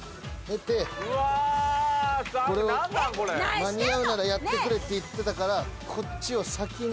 間に合うならやってくれって言ってたからこっちを先に。